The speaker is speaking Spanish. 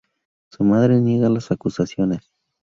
Su madre niega las acusaciones.